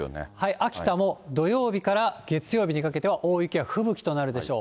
秋田も土曜日から月曜日にかけては大雪や吹雪となるでしょう。